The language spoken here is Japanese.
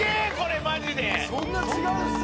そんな違うんすか？